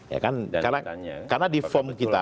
ya kan karena di form kita